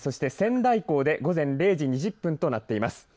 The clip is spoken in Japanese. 仙台港で午前０時２０分となっています。